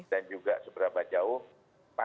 dan juga seberapa jauh pasarnya